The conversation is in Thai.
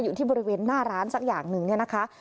อยู่ที่บริเวณหน้าร้านสักอย่างหนึ่งเนี่ยนะคะ